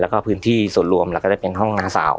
แล้วก็พื้นที่ส่วนรวมแล้วก็จะเป็นห้องน้าสาว